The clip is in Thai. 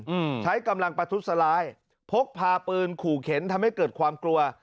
อืมใช้กำลังประทุษลายพกพาปืนขู่เข็นทำให้เกิดความกลัว